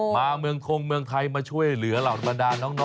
เมืองคงเมืองไทยมาช่วยเหลือเหล่าบรรดาน้อง